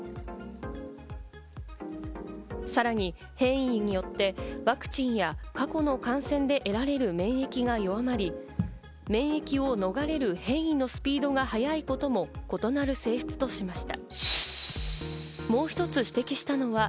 さらに変異によってワクチンや過去の感染で得られる免疫が弱まり、免疫を逃れる変異のスピードが速いことも異なる性質としました。